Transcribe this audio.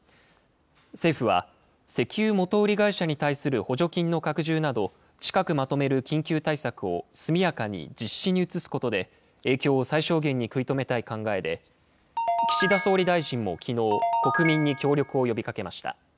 政府は、石油元売り会社に対する補助金の拡充など、近くまとめる緊急対策を速やかに実施に移すことで、影響を最小限に食い止めたい考えで、岸田総理大臣もきのう、国民に協力を呼びかけました。